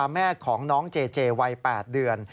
แม่ของน้องเจเจวัย๘เดือน